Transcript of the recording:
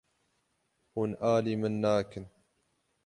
Hûn alî min nakin.